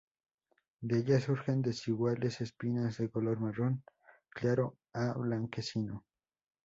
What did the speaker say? De ellas surgen desiguales espinas de color marrón claro a blanquecino.